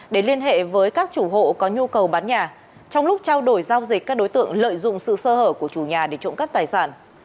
để liên hệ với các chủ hộ có nhu cầu bán nhà trong lúc trao đổi giao dịch các đối tượng lợi dụng sự sơ hở của chủ nhà để trộm cắp tài sản